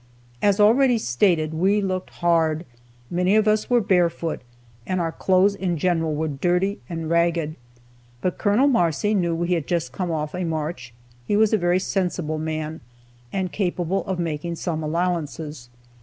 As already stated, we looked hard. Many of us were barefoot, and our clothes in general were dirty and ragged. But Col. Marcy knew we had just come off a march, he was a very sensible man, and capable of making some allowances.